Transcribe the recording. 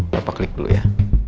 papa klik dulu ya